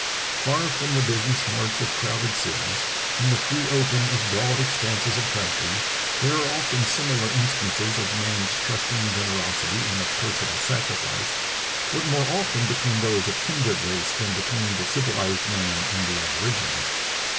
Far from the business marts of crowded cities, in the free open of broad expanses of country, there are often similar instances of man's trusting generosity and of personal self sacrifice, but more often between those of kindred race than between the civilized man and the aborigine.